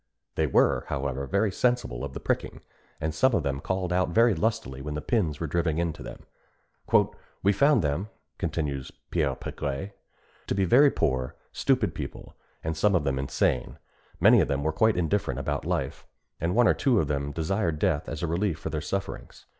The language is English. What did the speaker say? They were, however, very sensible of the pricking, and some of them called out very lustily when the pins were driven into them. "We found them," continues Pierre Pigray, "to be very poor, stupid people, and some of them insane. Many of them were quite indifferent about life, and one or two of them desired death as a relief for their sufferings.